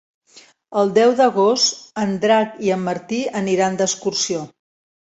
El deu d'agost en Drac i en Martí aniran d'excursió.